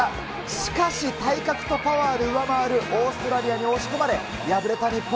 しかし、体格とパワーで上回るオーストラリアに押し込まれ、敗れた日本。